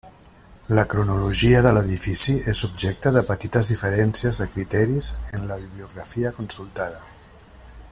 La cronologia de l'edifici és objecte de petites diferències de criteris en la bibliografia consultada.